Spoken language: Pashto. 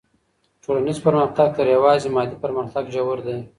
ټولنیز پرمختګ تر یوازې مادي پرمختګ ژور دی.